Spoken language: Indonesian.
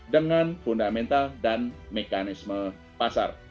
dengan fundamental dan mekanisme pasar